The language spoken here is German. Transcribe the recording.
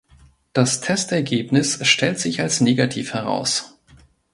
Das Testergebnis stellt sich als negativ heraus.